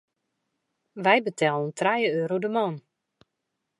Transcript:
Wy betellen trije euro de man.